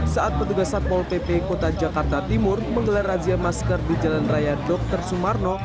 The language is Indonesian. saat petugas satpol pp kota jakarta timur menggelar razia masker di jalan raya dr sumarno